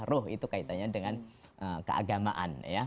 ruh itu kaitannya dengan keagamaan